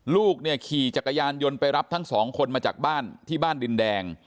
ลูกเนี่ยขี่จักรยานยนต์ไปรับทั้งสองคนมาจากบ้านที่บ้านดินแดง